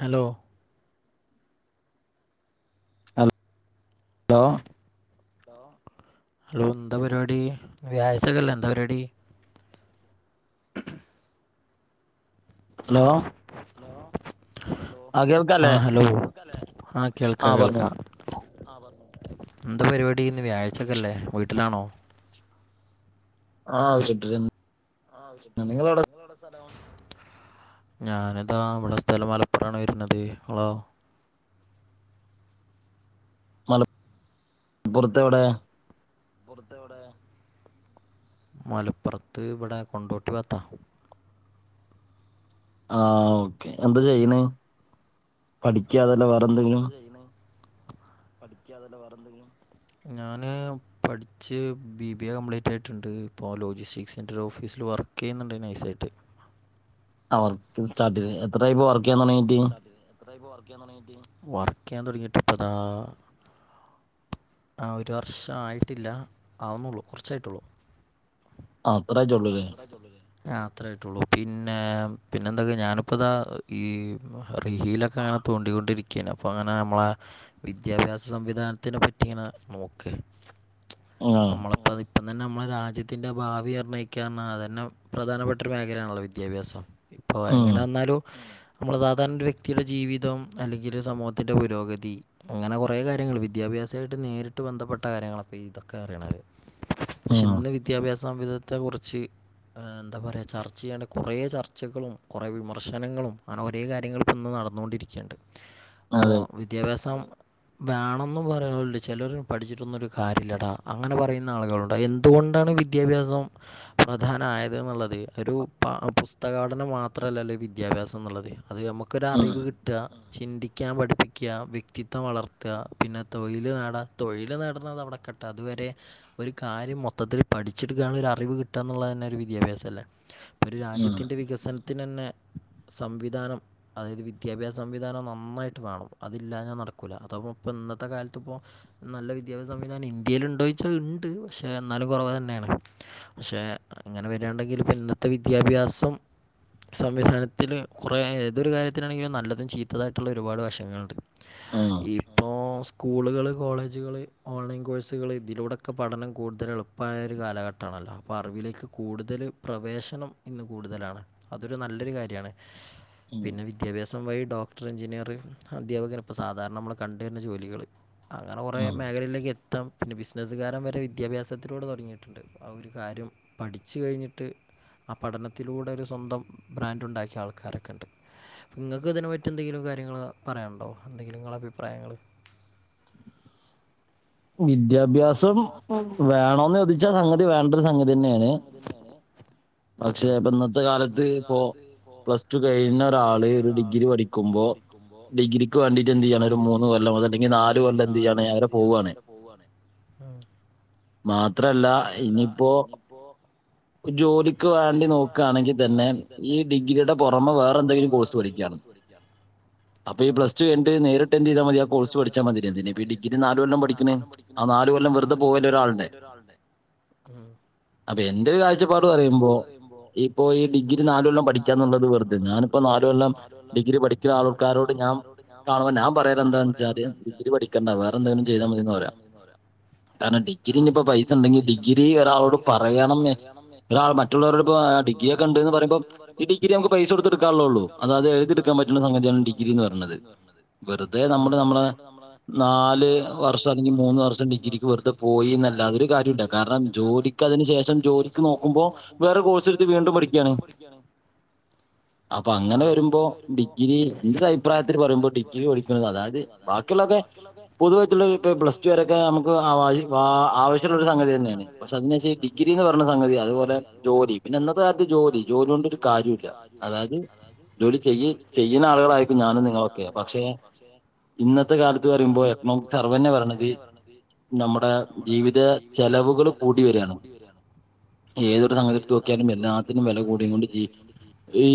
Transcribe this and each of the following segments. Hello hello അ ഹ hello എന്താ പരിപാടി വ്യായാഴ്ച ഒക്കെ അല്ലെ എന്താ പരിപാടി [inaudible] ഹലോ ഹലോ ആഹ ഹലോ ആഹ കേൾക്ക കേൾക്ക എന്താ പരിപാടി ഇന്ന് വ്യാഴ്ചൊക്കെല്ലേ വീട്ടിലാണോ ആഹ്ട്ട ആ നിങ്ങള [unintelligible] ഞാനിതാ ഇവിടെ സ്ഥലം മലപ്പുറാണ് വരുന്നത് ളോ മല മലപ്പുറത്തെ എവിടെ പുറത്തെവിടെ മലപ്പുറത്ത് ഇവിടെ കൊണ്ടോട്ടി വാത്ത ആ ഓക്കെ എന്താ ചെയ്യണ പഠിക്കതല്ല വേറെ എന്തെങ്കിലും ഞാന് പഠിച്ച ബി ബി എ കംപ്ലീറ്റ് ആയിട്ടുണ്ട് ഇപ്പോൾ ലോജിസ്റ്റിക്സിൻ് ഓഫീസിൽ വർക്ക് ചെയ്യുന്നുണ്ട് നൈസായിട്ട് [unintelligible] എത്ര വർക്ക് ചെയ്യാൻ തുടങ്ങിട്ട് വർക്ക് ചെയ്യാൻ തുടങ്ങിട്ട്പ്പതാ ആ ഒരു വർഷ ആയിട്ടില്ല ആവുന്നുള്ളൂ കുറച്ചായിട്ടുള്ളു ആ അത്രേ ചോ ഉള്ളൂല്ലേ അത്രയയിട്ടുള്ളു പിന്നെ പിന്നെ എന്തൊക്കെയ ഞാനിപ്പോ ഇതാ ഈ റീലൊക്കെ അങ്ങനെ തോണ്ടിക്കൊണ്ടിരിക്കും അപ്പ അങ്ങനെ നമ്മള വിദ്യാഭ്യാസ സംവിധാനത്തിനെ പറ്റി ഇങ്ങനെ നോക്ക് നമ്മളപ്പപ്പം തന്നെ നമ്മളെ രാജ്യത്തിന്റെ ഭാവി എ ൽ അത തന്നെ പ്രധാനപ്പെട്ട ഒരു മേഖല ആണല്ലോ വിദ്യാഭ്യാസം ഇപ്പൊ എങ്ങനെ വന്നാലും നമ്മുടെ സാധാരണ ഒരു വ്യക്തിയുടെ ജീവിതം അല്ലെങ്കിൽ സമൂഹത്തിന്റെ പുരോഗതി അങ്ങനെ കുറേ കാര്യങ്ങൾ വിദ്യാഭ വിദ്യഭ്യാസമായിട്ട് നേരിട്ട് ബന്ധപ്പെട്ട കാര്യങ്ങളൊപ്പോ ഇതൊക്കെ അറിയണല് പക്ഷെ ഇന്ന് വിദ്യാഭ്യാസ സംവി അത്തെ കുറിച്ച് എന്താ പറയാ ചർച്ച ചെയ്യാണ്ട് കുറെ ചർച്ചകളും കുറെ വിമർശനങ്ങളും അങ്ങനെ ഒരേ കാര്യങ്ങൾ പൊ നടന്നുകൊണ്ടിരിക്കയുണ്ട് ഇപ്പോൾ വിദ്യാഭ്യാസം വേണന്ന് പറയാനണ്ട് ചിലർ പഠിച്ചിട്ടൊന്നുംരു കാര്യ ഇല്ലടാ അങ്ങനെ പറയുന്ന ആളുകളുണ്ട എന്തുകൊണ്ട് ണ്ടാണ് വിദ്യാഭ്യാസം പ്രധാനമായത് എന്നുള്ളത് ഒരു പുസ്തക പാഠനം മാത്രല്ലല്ലേ വിദ്യാഭ്യാസം എന്നുള്ളത് അത് നമുക്കൊര അറിവ് കിട്ടുക ചിന്തിക്കാൻ പഠിപ്പിക്കുക വ്യക്തിത്വം വളർത്തുക പിന്നെ തൊഴിൽ നേടുക തൊഴിൽ നേടുന്നത്ത അവിടെ കു പ് അതുവരെ ഒരു കാര്യം മൊത്തത്തിൽ പഠിച്ചെടുക്കാനുള്ള അറിവ് കിട്ടുക എന്നുള്ളത് തന്നെ ഒരു വിദ്യാഭ്യാസം അല്ലേ ഇപ്പോൾ ഒരു രാജ്യത്തിൻ്റെ വികസനത്തിന് തന്നെ സംവിധാനം അതായത് വിദ്യാഭ്യാസ സംവിധാനം നന്നായിട്ട് വേണം അതില്ലാ ഞാൻ നടക്കൂല അത ഇ ഇന്നത്തെ കാലത്ത് ഇപ്പോ നല്ല വിദ്യാഭ്യാസ സംവിധാനം ഇന്ത്യയിൽ ഉണ്ടോച്ച ഉണ്ട് പക്ഷെ എന്നാലും കുറവന്ന [unintelligible] പക്ഷെ ഇങ്ങനെ വരിണ്ടെങ്കിൽ ഇ ഇന്നത്തെ വിദ്യാഭ്യാസം സംവിധാനത്തില് കുറെ ഏതൊരു കാര്യത്തിലാണെങ്കിലും നല്ലതും ചീത്തതായിട്ടുള്ള ഒരുപാട് വശങ്ങളുണ്ട് ഇപ്പോ സ്കൂളുകൾ കോളേജുകള് ഓൺലൈൻ കോഴ്സുകൾ ഇതിലൂടെൊക്കെ പഠനം കൂടുതൽ എളുപ്പമായരു കാലഘട്ടമാണല്ലോ അപ്പോൾ അറിവിലേക്ക് കൂടുതൽ പ്രവേശനം ഇന്ന് കൂടുതലാണ് അതൊരു നല്ലൊരു കാര്യമാണ് പിന്നെ വിദ്യാഭ്യാസം വഴി ഡോ ഡക്ടർ എഞ്ചിനീയർ അധ്യാപകൻ ഇപ്പോൾ സാധാരണ നമ്മൾ കണ്ടുവരുന്ന ജോലികൾ അങ്ങനെ കുറേ മേഖലയിലേക്ക് എത് മൊത്തം പിന്നെ ബിസിനസ്സുകാരം വരെ വിദ്യാഭ്യാസത്തിലൂട് തുടങ്ങിയിട്ടുണ്ട് ആ ഒരു കാര്യം പഠിച്ചു കഴിഞ്ഞിട്ട് ആ പഠനത്തിലൂടെ ഒരു സ്വന്തം ബ്രാൻഡ് ഉണ്ടാക്കിയ ആൾക്കാരൊക്കെ ഉണ്ട് നിങ്ങൾക്ക് ഇതിനെ മറ്റ എന്തെങ്കിലും കാര്യങ്ങള്ൾ പറയാനണ്ടോ എന്തെങ്കിലും നിങ്ങള അഭിപ്രായങ്ങൾ വിദ്യാഭ്യാസം വേണന്ന് ചോദിച്ചാ സംഗതി വേണ്ട ഒരു സംഗതി തന്നെയാണ് പക്ഷെ ഇപ്പൊ ഇന്നത്തെ കാലത്ത് ഇപ്പോ പ്ലസ് ടു കഴിന്ന ഒരാള് ഒരു ഡിഗ്രി പഠിക്കുമ്പോ പഠിക്കുമ്പോൾ ഡിഗ്രിക്ക് വേണ്ടിയിട്ട് എന്ത് ചെയ്യാണ് ഒരു മൂന്ന് കൊല്ലം അത അല്ലെങ്കിൽ നാല് കൊല്ലം എന്ത് ചെയ്യാണ് അങ്ങനെ പോവാണ് ആഹ്‌ മാത്രല്ല ഇനിപ്പോ ജോലിക്ക് വേണ്ടി നോക്കാണെങ്കി തന്നെ ഈ ഡിഗ്രിയുടെ പൊറമെ വേറെ എന്തെങ്കിലും കോഴ്സ് പഠിക്ക കോഴ്സ് പഠിക്കാണ്. അപ്പൊ ഈ പ്ലസ്ടു കഴിഞ്ഞിട്ട് നേരിട്ട് എന്ത് ചെയതാ മതി ആ കോഴ്സ് പഠിച്ചാ മതി എന്തിനിപ്പ ഈ ഡിഗ്രി നാല് കൊല്ലം പഠിക്ക്ണേ ആ നാല് കൊല്ലം വെറുതെ പോവല്ലെ ഒരാൾടെ അപ്പൊ എൻ ന്റെരു കാഴ്ചപ്പാട് പറയുമ്പോ ഈ പോയി ഡിഗ്രി നാല് കൊല്ലം പഠിക്കാന്നുള്ളത് വെറുതെ ഞാനിപ്പോ നാല് കൊല്ലം ഡിഗ്രി പഠിക്കുന്ന ആൾക്കാരോട് ഞാൻ കാണുവാ ഞാൻ പറയാ എന്താന്ന് വെച്ചാൽ ഡിഗ്രി പഠിക്കേണ്ട വേറെന്തെങ്കിലും വേറെ എന്തെങ്കിലും ചെയ്താ മതി ന്നാപറയ കാരണം ഡിഗ്രീന്റെ ഇപ്പ പൈസ ഇണ്ടെങ്കി ഡിഗ്രി ഒരാളോട് പറയണം എ ഒരാൾ മറ്റുള്ളവരുടെ ഇപ്പോ ഡിഗ്രിയ ഒക്കെ ഇണ്ട് എന്ന് പറുമ്പോ ഡിഗ്രി നമുക്ക് പൈസകൊടുത്തെടുക്കാനുള്ളതൊള്ളൂ അതായത് ഇതെട്ക്കാൻ പറ്റുന്ന സംഗതിയാണ് ഡിഗ്രിന്ന് പറയ്ണത് വെറുതെ നമ്മുടെ നമ്മളെ നാല് വർഷം അല്ലെങ്കി മൂന്ന് വർഷം ഡിഗ്രിക്ക് വെറുത പോയി എന്നല്ലാതെ ഒരു കാര്യുല്ല കാരണം ജോലിക്കതിന് ശേഷം ജോലി ജോലിക്ക് നോക്കുമ്പോ വേറെ കോഴ്സ് എടുത്ത് വീണ്ടും പഠിക്കയാണ്. അപ്പൊ അങ്ങനെ വരുമ്പോ ഡിഗ്രി ൻ്റെരു അഭിപ്രായത്തി പറയുമ്പോ ഡിഗ്രി പഠിക്കുന്നത് അതായത് ബാക്കിയുള്ളൊക്കെ പൊതുവായിട്ടുള്ള ഇപ്പ പ്ലസ് ടു ക്കെ നമ്മക്ക് ആവശ്യമുള്ള ഒരു സംഗതി തന്നെയാണ് പക്ഷേ എന്ന് വെച്ച് ഡിഗ്രിന്ന് പറഞ്ഞ [unintelligible] പറഞ്ഞ സംഗതി അതുപോലെ ജോലി പിന്നെ ഇന്നത്തെ കാലത്ത് ജോലി ജോലി കൊണ്ടൊരു കാര്യല്ല അതായത് ജോലി ചെയ്യ് ചെയ്യ്ണ ആളുകളായിരിക്കും ഞാനും നിങ്ങളൊക്കെ പക്ഷെ ഇന്നത്തെ കാലത്ത് പറയുമ്പോൾ എക്നോമക് സർവ്ന്നെ പറ വെന്നെ പറയ്ണത് നമ്മുടെ ജീവിത ചെലവുകൾ കൂടി വെരാണ്. ഏതൊരു സംഗതി എട്ത്ത് നോക്കിയാലും എല്ലാത്തിനും വെല കൂടിയ കൊണ്ട് ചെ ഈ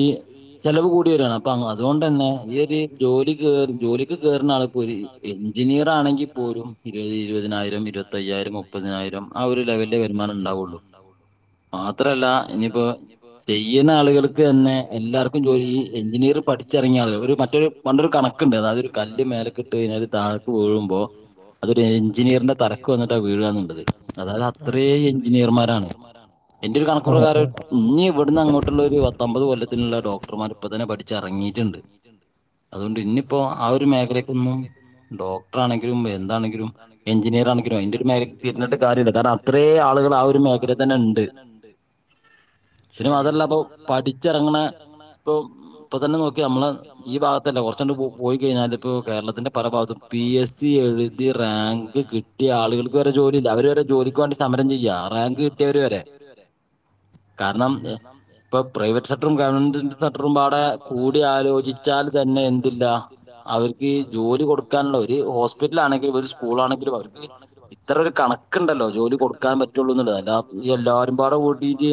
ചെലവ് കൂടി വരാണ് അപ്പൊ അ അതുകൊണ്ട് തന്നെ ഈ ഒരു ജോലി കേറി ജോലിക്ക് കേറുന്ന ആള്പ്പോര് എഞ്ചിനീയർ ആണെങ്കിൽ പോലും ഇരുപത് ഇരുപതിനായിരം ഇരുപത്തയ്യായിരം മുപ്പതിനായിരം ആ ഒരു ലെവലിലെ വരുമാനം ഉണ്ടാവൊള്ളൂ. ണ്ടാവൊള്ളൂ മാത്രല്ല ഇനിയിപ്പോ ചെയ്യുന്ന ആളുകൾക്ക് ന്നെ എല്ലാർക്കും ജോലി എഞ്ചിനീയർ പ പഠിച്ചിറങ്ങിയാള് ഒരു മറ്റൊരു പണ്ടൊരു കണക്ക്ണ്ട് അതായത് ഒരു കല്ല് മേലക്ക് ഇട്ട് കഴിഞ്ഞാല് താഴേക്ക് വീഴുമ്പോ അതൊരു എഞ്ചിനീയറിന്റെ തലക്ക് വന്നിട്ടാ വീഴാന്നുള്ളത് അതായത് അത്രേ എഞ്ചിനീയർമാരാണ്. എന്റെ ഒരു കണക്കു പ്രകാരം ഇനി ഇവിടുന്ന് അങ്ങോട്ടുള്ള ഒരു പത്തമ്പത് കൊല്ലത്തിനുള്ള ഡോക്ടർമാർ ഇപ്പ തന്നെ പഠിച്ച് എറങ്ങി പഠിച്ചിറങ്ങിട്ടുണ്ട് അതുകൊണ്ട് ഇന്ന്പ്പോ ആ ഒരു മേഖലക്കൊന്നും ഡോക്ടറാണെങ്കിലും എ ആണെങ്കിലും എഞ്ചിനിയർ ആണെങ്കിലും [unintelligible] ഇപ്പ ഇര്ന്ന്ട്ട് കാര്യല്ല കാരണം അത്രേം ആള്കൾ ആ ഒരു മേഖ ആ ഒരു മേഖലെ തെന്ന ഇണ്ട് പിന്നെ അതല്ല ഇപ്പൊ പഠിച്ചിറങ്ങ്ണ ഇപ്പൊ ഇപ്പൊ തന്നെ നോക്കിയെ നമ്മളെ ഈ ഭാഗ ത്തല്ല കൊറച്ചങ്ങട്ട് പോയി കഴിഞ്ഞാൽ ഇപ്പോ കേരളത്തിന്റെ പല ഭാഗത്തും പി എസ് സി എഴു റാങ്ക് കിട്ടിയ ആളുകൾക്ക് വരെ ജോലി ഇല്ല അവര് വരെ ജോലിക്ക് വേണ്ടി സമരം ചെയ്യാ റാങ്ക് റാങ്ക് കിട്ടിയവര് വരെ കാരണം ഇപ്പൊ പ്രൈവറ്റ് സെക്ടറും ഗവൺമെന്റ് സെക്ടറുംപാടെ കൂടി ആലോചിച്ചാൽ ന്നാ തന്നെ എന്ത്ല്ലാ അവർക്ക് ജോലി കൊടുക്കണോള്ളോര് ഹോസ്പിറ്റലാണെ ങ്കിലും ഒരു സ്കൂളാണെങ്കിലും അവർക്ക് ഇത്ര ഒരു കണക്കുണ്ടല്ലോ ജോലി കൊടുക്കാൻ പറ്റുള്ളൂ ന്നുള്ള അല്ലാ ഞ്ഞ് എല്ലാരും പാടെ കൂട്ടിട്ട്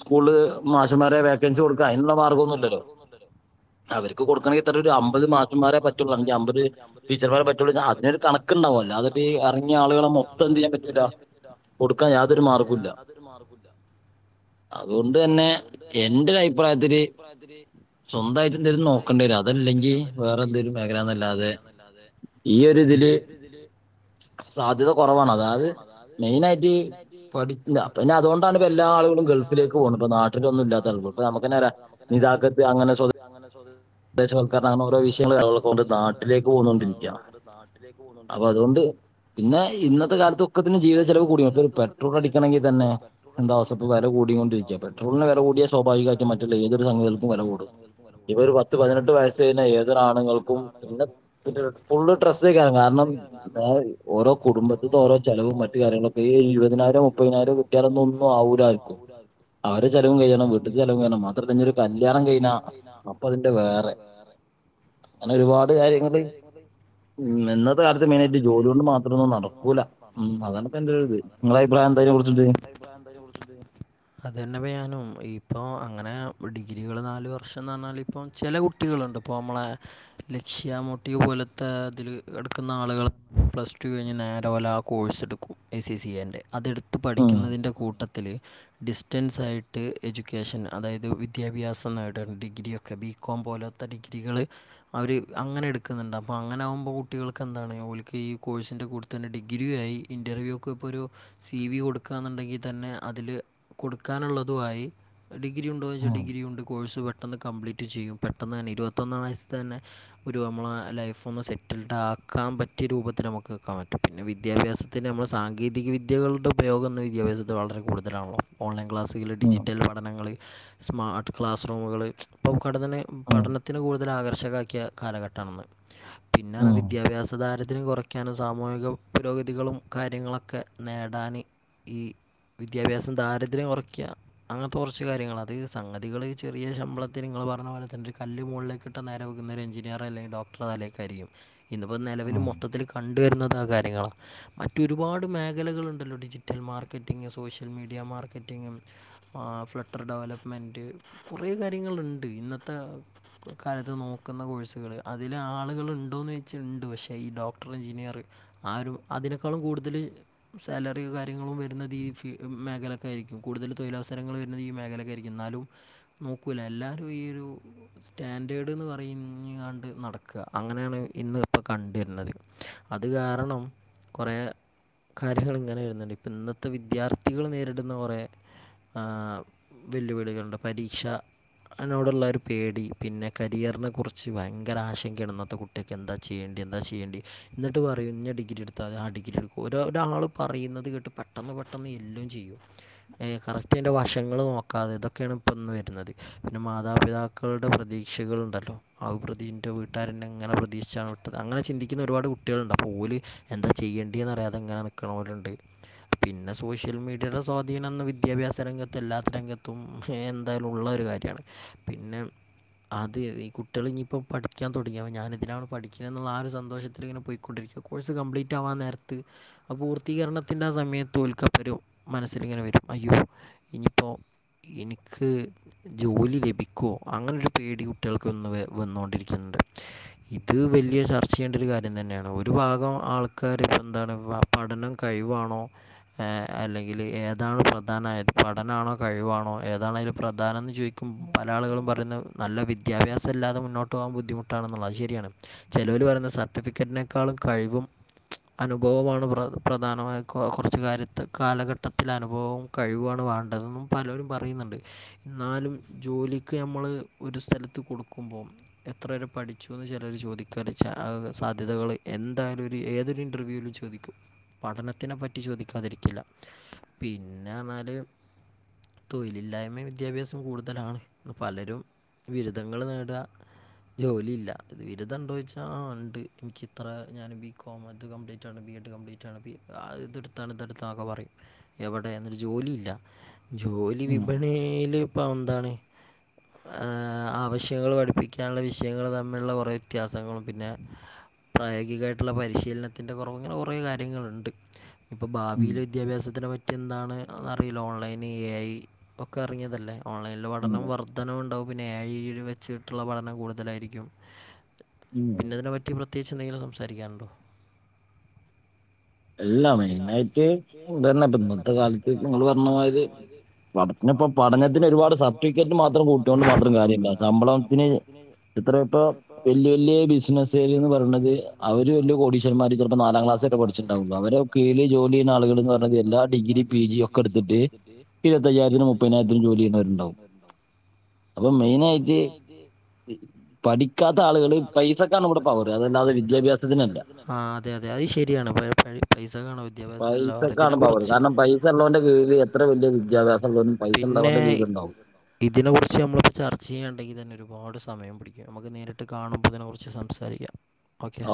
സ്കൂള് മാഷ്മാരെ വേക്കൻസി കൊടുക അയിനൊള്ള മാർഗം ഒന്നുല്ലല്ലോ ണ്ടല്ലോ അവർക്ക് കൊടുക്കണെങ്കി തന്നെ ഒരു അമ്പത് മാസ്റ്റന്മാരെേ പറ്റുള്ളൂ അല്ലെങ്കിൽ അമ്പത് ടീച്ചർമാരെ പറ്റുള്ളൂ അതിനൊരു കണ കണക്ക്ണ്ടാവുല്ലോ അല്ലാതെ ഇത് ഇറങ്ങിയ ആളുകളെ മൊത്തം എന്ത് ചെയ്യാൻ പറ്റൂല്ല കൊടുക്കാൻ യാതൊരു മാർഗുല്ല. അതൊരു മാർഗുല്ല അതുകൊണ്ട് തന്നെ എന്റെ ഒരു അഭിപ്രായത്തില് സ്വന്തവായിട്ട് എന്തേലും നോക്കേണ്ടി വരും അതല്ലെങ്കിൽ വേറെ എന്തേലും മേഖലന്നല്ലാതെ ഈയൊരുതിൽ ത് സാധ്യത കൊറവാണ് അതായത് മെയിനായിട്ട് പഠി പിന്നെ അതുകൊണ്ടാണ് ഇപ്പ എല്ലാ ആളുകളും ഗൾഫിലേക്ക് പോകുന്നെ ഇപ്പ നാട്ടിലൊന്നും ഇല്ലാത്ത ആള്കള് ഇപ്പ നമ്മെക്കെന്നെ അറിയാ നിതാഖത് അങ്ങനെ സ അങ്ങനെ ചോദ്യ വിദേശ ആൾക്കാ ഓരോ വിഷയങ്ങള് [unintelligible] നാട്ടിലേക്ക് പോന്നോണ്ടിരിക്കാ അപ്പൊ അതുകൊണ്ട് പിന്നെ ഇന്നത്തെ കാലത്തൊക്കെത്തിന് ജീവിത ചെലവ് കൂടി ഇപ്പ പെട്രോൾ അടിക്കണങ്കി പെട്രോളടിക്കണെ തന്നെ എന്താവസ്ഥ ഇപ്പൊ വില കൂടികൊണ്ടിരിക്ക പെട്രോളിന് വില കൂടാ സ്വാഭാവികമായിടും മറ്റേ ലേ ഇവ ഒരു പത്ത് പതിനെട്ട് വയസ്സ് കഴിഞ്ഞ ഏതൊരാണുങ്ങൾക്കും ഫുള്ള് ള്ള ഡ്രസ്സും കാരണം ഓരോ കുടുംബത്തി ഓരോ ചിലവും മറ്റു കാര്യങ്ങളൊക്കെ ഈ ഇരുപതിനായിരം ഇരുപതിനായിരം മുപ്പതിനായിരം കിട്ടിലൊന്നും ഒന്നും ആവൂലാന്ന് അവര് ചെലവും കഴിയണം വീട്ടിക്ക് ചെലവും കഴീണം മാത്രമല്ല ഇഞ്ഞൊരു കല്യാണം കഴിഞ്ഞാ അപ്പൊ അതിന്റെ വേറെ അങ്ങനെ ഒരുപാട് കാര്യങ്ങള് ഇന്നെന്ന് കാലത്ത് മെയിനായിട്ട് ജോലി കൊണ്ട് മാത്രൊന്നും നടക്കൂല അതാണ് ഇപ്പ എന്റെ ഇത് നിങ്ങളെ അഭിപ്രായം അതെന്നപ്പ ഞാനും ഇപ്പ അങ്ങനെ ഡിഗ്രികള് നാല് വർഷംന്ന് പറഞ്ഞാല് ഇപ്പം ചില കുട്ടികളുണ്ട് ഇപ്പോ നമ്മളെ ലക്ഷ്യ ട്ടിയെ പോലത്തെ അതില് എടുക്കുന്ന ആളുകൾ പ്ലസ് ടു കഴിഞ്ഞ് നേരെ ഓലാ ആ കോഴ്സെടുക്കും ഐ സി സി എൻ്റെ അതെടുത്ത് പഠിക്കുന്നതിൻ്റെ കൂട്ട ത്തിൽ ഡിസ്റ്റൻസ് ആയിട്ട് എഡ്യൂക്കേഷൻ അതായത് വിദ്യാഭ്യാസം നേട ഡിഗ്രിയൊക്കെ ബി കോം പോലത്തെ ഡിഗ്രികള് അവര് അങ്ങനെ എടുക്കുന്നുണ്ട് അപ്പോ അങ്ങനാവുമ്പോ കുട്ടികൾക്കെന്താണ് ഓല്ക്ക് ഈ കോഴ്സിൻ്റെ കൂടെ തന്നെ ഡിഗ്രിയായി ഇൻ്റർവ്യൂ ഒക്കെ ഇപ്പൊരു സി വി കൊടുക്കാ ക്കാന്നുണ്ടെങ്കി തന്നെ അതില് കൊടുക്കാനുള്ളതുവായി ഡിഗ്രിണ്ടോന്ന്ച്ചാൽ ഡിഗ്രി ഉണ്ട് കോഴ്സ് പെട്ടെന്ന് കംപ്ലീറ്റ് ചെയ്യും പെട്ടെന്ന് തന്നെ ഇരുപത്തൊന്നാം വയസ്സി തന്നെ ഒരു നമ്മളെ ലൈഫൊന്ന് സെറ്റ് ട്ടാക്കാൻ പറ്റിയ രൂപത്തില് നമുക്ക് വെക്കാൻ പറ്റും പിന്നെ വിദ്യാഭ്യാസത്തിന് നമ്മുടെ സാങ്കേതിക വിദ്യകളുടെ യോഗംന്ന് വിദ്യാഭ്യാസ വളരെ കൂടുതലാണല്ലോ ഓൺലൈ ക്ലാസ്സില് ഡിജിറ്റൽ പഠനങ്ങള് സ്മാർട്ട് ക്ലാസ് റൂമുകള് ഇപ്പം പഠന പഠനത്തിന് കൂടുതല് ആകർഷകാക്കിയ കാലഘട്ടണെന്ന് പിന്നാണ വിദ്യാഭ്യാസ താര ഇതില് കുറക്കാനും സാമൂഹിക പുരോഗതികളും കാര്യങ്ങളൊക്കെ നേടാന് ഈ വിദ്യാഭ്യാസം ദാരിദ്ര്യം കുറയ്ക്കുക അങ്ങനത്തെ കുറച്ച് കാര്യങ്ങള് അത് സംഗതികള് ചെറിയ ശമ്പളത്തിന് അതു പറഞ്ഞ പോല തന്ന ഒരു കല്ല് മുകളിലേകിട്ട നേരെ പോകുന്ന ഒരു എഞ്ചിനീയർ അല്ലങ്കി ഡോക്ടർട തലേക്കാരിക്കും ഇന്നപ്പോ നിലവിൽ മൊത്തത്തിൽ കണ്ടുവരുന്നത കാര്യങ്ങളാ മറ്റൊരുപാട് മേഖലകളുണ്ടല്ലോ digital marketing social media marketing ആ ഫ്ലട്ടർ ഡെവലപ്മെന്റ് കുറെ കാര്യങ്ങളുണ്ട് ഇന്നത്തെ കാലത്ത് നോക്കുന്ന കോഴ്സുകള് അതില് ആള്കള് ഉണ്ടോന്ന് ചോയിച്ചണ്ട് പക്ഷേ ഡോക്ടർ എഞ്ചിനീയർ ആ അതിനെക്കാളും കൂടുതല് സാലറി കാര്യങ്ങളും വരുന്നത് ഈ ഫീ മേഖലക്കായിരിക്കും കൂടുതലും തൊഴിലവസരങ്ങൾ വരുന്നത് ഈ മേഖലക്കായിരിക്കും എന്നാലും നോക്കൂല എല്ലാരും ഈ ഒരു സ്റ്റാൻഡേർഡ്ന്ന് പറയും ആണ്ട് നടക്കുക അങ്ങനാണ് ഇന്ന ഇപ്പോൾ കണ്ടിരുന്നത് അത് കാരണം കുറേ കാര്യങ്ങള് ഇങ്ങനെ വരുന്നുണ്ട് ഇപ്പൊ ഇന്നത്തെ വിദ്യാർത്ഥികള് നേരിടുന്ന കുറെ ആ വെല്ലുവിളികൾട പരീക്ഷ അനോടുള്ളൊരു പേടി പിന്നെ കരിയറിനെ കുറിച്ച് ഭയങ്കര ആശങ്കയാണ് ഇന്നത്തെ കുട്ട എന്താ ചെയ്യേണ്ടി എന്താ ചെയ്യേണ്ടി എന്നിട്ട് പറയും ഇന്ന ഡിഗ്രി എടുത്താതി ആ ഡിഗ്രി എടു ഒരു ഒരാള് പറയും ന്നത് കേട്ട് പെട്ടെന്ന് പെട്ടെന്ന് എല്ലും ചെയ്യും കറക്റ്റ് അന്റെ വശങ്ങള് നോക്കാതെ ഇതൊക്കെയാണ് ഇ വരുന്നത് പിന്നെ മാതാപിതാക്കളുടെ പ്രതീക്ഷകൾ ഇണ്ടല്ലോ ആ പ്രതിന്റെ വീട്ടാരെന്നെ ഇങ്ങനെ പ്രതീക്ഷിച്ചാണ് വിട്ടത് അങ്ങനെ ചിന്തിക്കുന്ന ഒരുപാട് കുട്ടികളുണ്ട് അപ്പോല് എന്താ ചെയ്യണ്ടിയെന്ന് അറിയാതെങ്ങനെ നിൽക്കണോരുണ്ട് പിന്നെ സോഷ്യൽ മീഡിയയുടെ സ്വാധീനംന്ന് വിദ്യാഭ്യാസ രംഗത്ത എല്ലാത്ത രംഗത്തും എന്തായാലും ഉള്ള കാര്യാണ് പിന്നെ അത് ഈ കുട്ടികള് ഇനിയിപ്പോ പഠിക്കാൻ തുടങ്ങിയാ ഞാനെന്തിനാണ് പഠിക്കണന്ന്ള്ള ആ ഒരു സന്തോഷത്തിനെ പൊയ്ക്കൊണ്ടിരിക്കും കോഴ്സ് കംപ്ലീറ്റ് ആവാന്നേരത്ത് പൂർത്തീകരണത്തിൻ്റ സമയത്തോൽക്കപ്പൊരു മനസ്സിലങ്ങനെ വരും അയ്യോ ഇനിയിപ്പോ എനിക്ക് ജോലി ലഭിക്കുവോ അങ്ങനൊരു പേടി കുട്ടികൾക്ക്ന്ന് വ വന്നോണ്ടിരിക്കുന്നു ണ്ട് ഇത് വലിയ ചർച്ച ചെയ്യേണ്ട ഒരു കാര്യം തന്നെയാണ് ഒരു ഭാഗം ആൾക്കാര് എന്താണ് പഠനം കഴിയ ണോ അല്ലെങ്കിൽ ഏതാണ് പ്രധാനം ആയത് പഠനാണോ കഴിവാണോ ഏതാണ് അതിൽ പ്രധാനം ന്ന് ചോദിക്കും പല ആളുകളുംപറയുന്നത് നല്ല വിദ്യാഭ്യസവില്ലാതെ മുന്നോട്ട് പോകാൻ ബുദ്ധിമുട്ടാ ണെന്നുള്ളതാണ് ചെലോര് പറയുന്നത് സർട്ടിഫിക്കറ്റിനെക്കാളും കഴിവും അനുഭവമാണ് പ്രധാനമായ കുറച്ച് കയ കാലഘട്ടത്തിലെ അനുഭവവും കഴിവാണ് വേണ്ടതും പലരും പറയുന്നുണ്ട് എന്നാലും ജോലിയ്ക്ക് നമ്മൾ ഒരു സ്ഥലത്ത് കൊടുക്കുമ്പോൾ ബം എത്ര വരെ പഠിച്ചു ചിലർ ചോദിക്കാ സാധ്യതകൾ എന്തായാലും ഏതൊരു ഇന്റർവ്യൂലും ചോദിക്കും പഠനത്തിനെ പറ്റി ചോദിക്കാതിരിക്കില്ല പിന്നെ പറഞ്ഞാല് തൊഴിലില്ലായ്മ വിദ്യാഭ്യാസം കൂടുതലാണ് പലരും ബിരുദങ്ങൾ നേടുക ജോലിയില്ല ബിരുദം ഉണ്ടോന്ന് ചോദിച്ചാൽ ആ ഉണ്ട് എനിക്കിത്ര ഞാൻ ബി കോം അത് കംപ്ലീറ്റ് ആണ് ബി എഡ് കംപ്ലീറ്റ് ആണ് ഇതടുത്താണ് ഇതടുത്തൊക്കെ പറയും എവിടെ എന്നിട്ട് ജോലിയില്ല ജോലി വിപണിയില് ഇപ്പം ആവശ്യങ്ങള് പഠിപ്പിക്കാനുള്ള വിഷയങ്ങള് ത ലുള്ള കുറെ വ്യത്യാസങ്ങളും പിന്നെ പ്രായോഗികമായിട്ടുള്ള പരിശീലനത്തിന്റെ കുറവ്ങ്ങനെ കുറെ കാര്യങ്ങളുണ്ട് ഇപ്പൊ ഭാവിയിൽ വിദ്യാഭ്യാസത്തിനെ പറ്റി എന്താണ് അറിയില്ല ഓൺലൈൻ എ ഐ ഒക്കെ ഇറങ്ങിയതല്ലേ ഓൺലൈനിൽ പഠനവും വർധനവ് ഉണ്ടാവും പിന്നെ എ ഐ വെച്ചിട്ടുള്ള പഠനം കൂടുതലായിരിക്കും പിന്നെതിനെ പറ്റി പ്രത്യേകിച്ച് എന്തെങ്കിലും സംസാരിക്കാനുണ്ടോ എല്ലാ മെയിന് ആയിട്ട് ഇതന്നെ ഇപ്പ ഇന്നത്തെ കാലത്ത് നിങ്ങള് പറഞ്ഞമാതിരി പഠത്തിന്പ്പ പഠനത്തിന് ഒരുപാട് സർട്ടിഫിക്കറ്റ് മാത്രം കൂട്ടൊണ്ട് മാത്രം കാര്യമില്ല ശമ്പളത്തിന് ഇത്ര ഇപ്പ വലിയ വലിയ ബിസിനസ്സ് പറഞത് അവര് വലിയ കോടീശ്വരന്മാര് പ്പോ നാലാം ക്ലാസ് പഠിച്ച അവരെ കീഴിൽ ഇരുപത്തയ്യായിരത്തിനും മുപ്പതിനായിരത്തിനും ജോലിചെയുന്നവരുണ്ടാവും അപ്പൊ മെയിന് ആയിട്ട് പഠി പഠിക്കാത്ത ആളുകള് പൈസക്കാണ് ഇവിടെ പവർ അല്ലാതെ വിദ്യാഭ്യാസത്തിന് അല്ല പൈസ കാണ വിദ്യാഭ്യാസത്തിന് അല്ല പിന്നെ ഇതിനെ കുറിച്ച് നമ്മളിപ്പോ ചർച്ച ചെയ്യാനണ്ടെങ്കി തന്നെ ഒരുപാട് സമയം ആവും നമുക്ക് നേരിട്ട് കാണുമ്പോൾ അതിനെക്കുറിച്ച് സംസാരിക്കാം ഒക്കെ